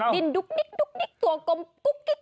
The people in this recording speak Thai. ดิ้นดุ๊กดิ๊กตัวกลมกุ๊กกิ๊ก